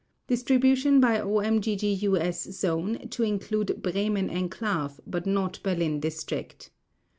Distribution by OMGGUS Zone, to include Bremen Enclave, but not Berlin District.